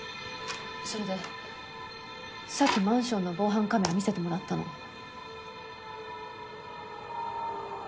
それでさっきマンションの防犯カメラ見せてもらったの。